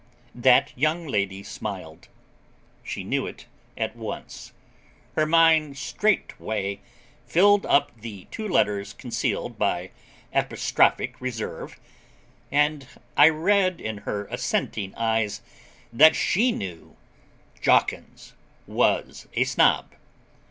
That young lady smiled. She knew it at once. Her mind straightway filled up the two letters concealed by apostrophic reserve, and I read in her assenting eyes that she knew Jawkins was a Snob.